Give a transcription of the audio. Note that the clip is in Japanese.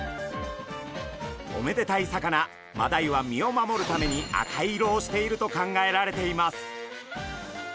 おめでたい魚マダイは身を守るために赤色をしていると考えられています。